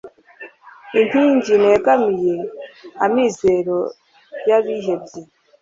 r/ inkingi negamiye, amizero y'abihebye